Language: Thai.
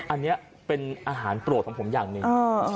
อันนี้เป็นอาหารโปรดของผมอย่างหนึ่ง